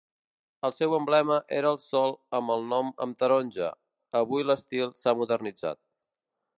El seu emblema era el sol amb el nom amb taronja; avui l'estil s'ha modernitzat.